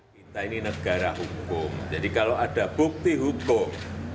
kita ini negara hukum jadi kalau ada bukti hukum